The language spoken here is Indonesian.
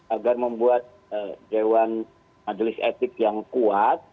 agar membuat dewan majelis etik yang kuat